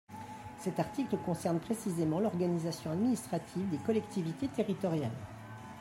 Cet article concerne précisément l’organisation administrative des collectivités territoriales.